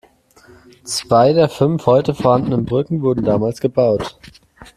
Zwei der fünf heute vorhandenen Brücken wurden damals gebaut.